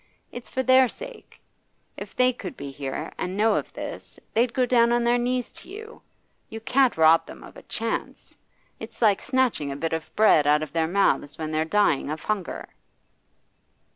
It's for their sake. If they could be here and know of this, they'd go down on their knees to you. You can't rob them of a chance! It's like snatching a bit of bread out of their mouths when they're dying of hunger.